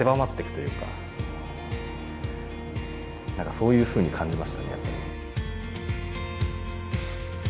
そういうふうに感じましたね。